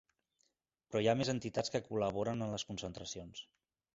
Però hi ha més entitats que col·laboren en les concentracions.